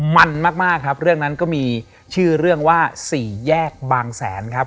มันมากมากครับเรื่องนั้นก็มีชื่อเรื่องว่าสี่แยกบางแสนครับ